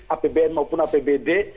apbn maupun apbd